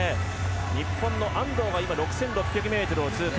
日本の安藤が６６００ｍを通過。